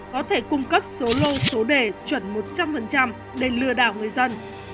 có thể cung cấp số lô số đề chuẩn một trăm linh để lừa đảo người dân